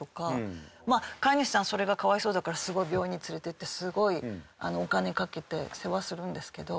飼い主さん、それが可哀想だからすごい、病院に連れていってすごい、お金かけて世話するんですけど。